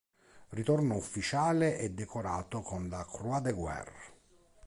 Ritornò ufficiale e decorato con la Croix de guerre.